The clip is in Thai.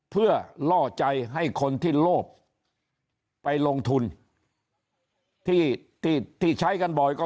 เพื่อล่อใจให้คนที่โลภไปลงทุนที่ที่ใช้กันบ่อยก็